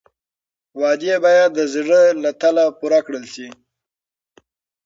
وعدې باید د زړه له تله پوره کړل شي.